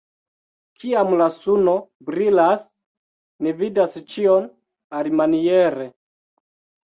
Kiam la suno brilas, ni vidas ĉion alimaniere.